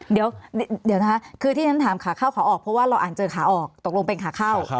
เดี๋ยวนะคะคือที่ฉันถามขาเข้าขาออกเพราะว่าเราอ่านเจอขาออกตกลงเป็นขาเข้า